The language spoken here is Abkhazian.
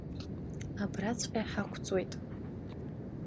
Абраҵәҟьа ҳақәҵуеит!